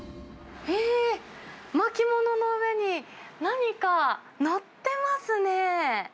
えー、巻き物の上に、何か載ってますね。